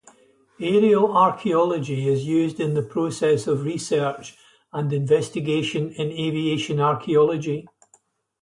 Aerial archaeology is used in the processes of research and investigation in aviation archaeology.